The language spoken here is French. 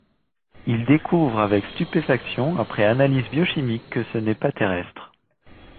Il découvre avec stupéfaction, après analyse biochimique, que ce n'est pas terrestre.